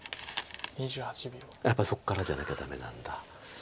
やっぱりそこからじゃなきゃダメなんだ。